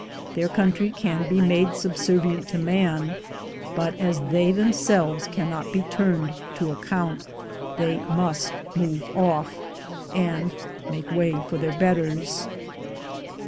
Their country can be made subservient to man, but as they themselves can not be turned to account, they must move off, and make way for their betters.